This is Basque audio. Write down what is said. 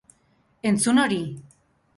Entzun hori!